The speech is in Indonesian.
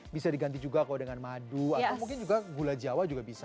bisa diganti juga kalau dengan madu atau mungkin juga gula jawa juga bisa